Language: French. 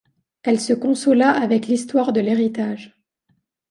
Elle se consola avec l’histoire de l’héritage.